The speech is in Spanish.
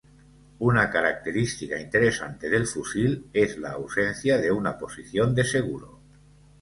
Una característica interesante del fusil es la ausencia de una posición de seguro.